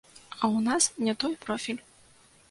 А ў нас не той профіль.